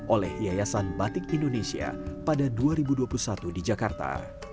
oleh yayasan batik indonesia pada dua ribu dua puluh satu di jakarta